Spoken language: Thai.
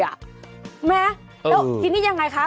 แม่แล้วทีนี้ยังไงคะ